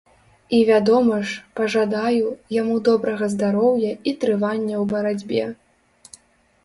І вядома ж, пажадаю, яму добрага здароўя і трывання ў барацьбе.